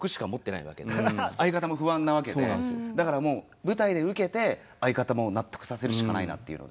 だからもう舞台でウケて相方も納得させるしかないなっていうので。